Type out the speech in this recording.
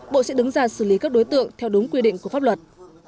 bộ sẽ đứng ra xử lý các đối tượng theo đúng quy định của pháp luật